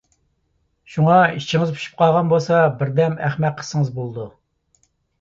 شۇڭا، ئىچىڭىز پۇشۇپ قالغان بولسا بىردەم ئەخمەق قىلسىڭىز بولىدۇ.